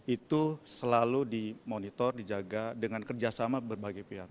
itu selalu dimonitor dijaga dengan kerjasama berbagai pihak